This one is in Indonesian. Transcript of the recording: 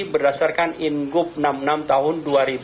berdasarkan ingup enam puluh enam tahun dua ribu dua puluh